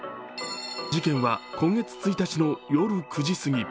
事件は今月１日の夜９時過ぎ。